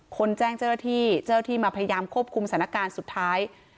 คนแจ้งเจ้าหน้าที่เจ้าหน้าที่มาพยายามควบคุมสถานการณ์สุดท้าย